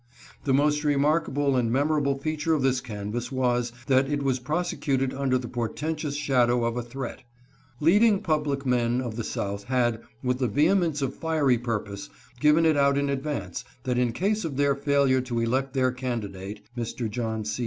The most remarkable and memor able feature of this canvass was, that it was prosecuted under the portentous shadow of a threat : leading public men of the South had, with the vehemence of fiery pur pose, given it out in advance that in case of their failure to elect their candidate (Mr. John C.